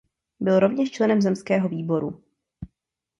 Byl rovněž členem zemského výboru.